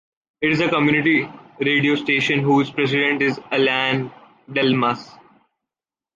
It is a community radio station whose president is Alain Delmas.